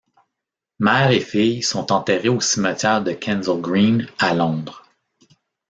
Mère et fille sont enterrées au cimetière de Kensal Green à Londres.